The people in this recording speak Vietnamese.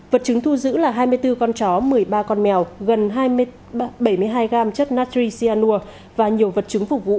vật chứng thu giữ là hai mươi bốn con chó một mươi ba con mèo gần bảy mươi hai gram chất natricianur và nhiều vật chứng phục vụ